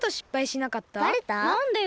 なんでよ？